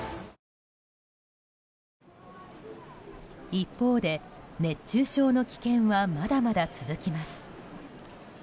一方で熱中症の危険はまだまだ続きます。